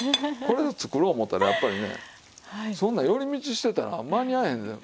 これで作ろう思うたらやっぱりねそんな寄り道してたら間に合わへん。